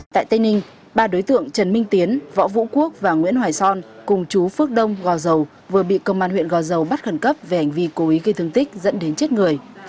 tại tây ninh ba đối tượng trần minh tiến võ vũ quốc và nguyễn hoài son cùng chú phước đông gò dầu vừa bị công an huyện gò dầu bắt khẩn cấp về hành vi cố ý gây thương tích dẫn đến chết người